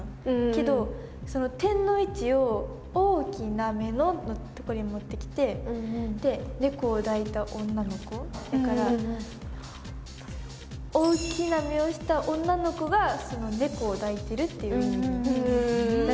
けど点の位置を「大きな目の」のとこに持ってきてで「猫を抱いた女の子」だから大きな目をした女の子が猫を抱いてるっていう。